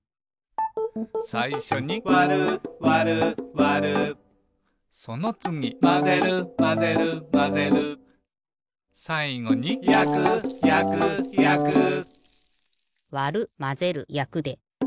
さいしょに「わるわるわる」そのつぎ「まぜるまぜるまぜる」さいごに「やくやくやく」わるまぜるやくで。